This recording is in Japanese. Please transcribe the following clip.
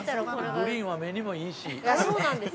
グリーンは目にもいいし。